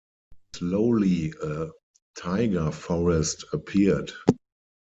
Slowly a taiga forest appeared.